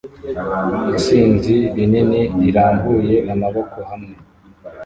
Isinzi rinini rirambuye amaboko hamwe